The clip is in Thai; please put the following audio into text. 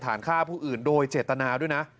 ฆ่าผู้อื่นโดยเจตนาด้วยนะ